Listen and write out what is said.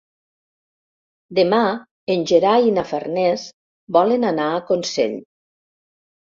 Demà en Gerai i na Farners volen anar a Consell.